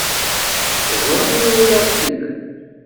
Teẓram anwa ay aɣ-ilan.